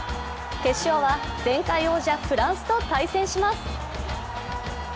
決勝は前回王者・フランスと対戦します。